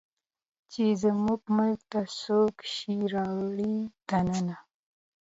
چې زموږ ملک ته څوک شی راوړي دننه